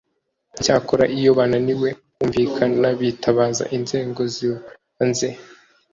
icyakora iyo bananiwe kumvikana bitabaza inzego zibanze